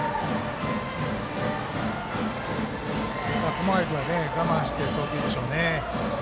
熊谷君は我慢して投球でしょうね。